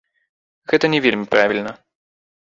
Гэта не вельмі правільна.